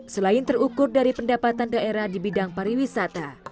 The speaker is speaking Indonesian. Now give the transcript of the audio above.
selain terukur dari pendapatan daerah di bidang pariwisata